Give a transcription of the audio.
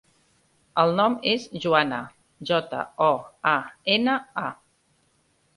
El nom és Joana: jota, o, a, ena, a.